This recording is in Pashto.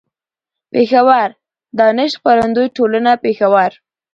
پېښور: دانش خپرندويه ټولنه، پېښور